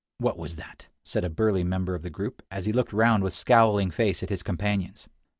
"What was that?" said a burly member of the group, as he looked round with scowling face at his companions.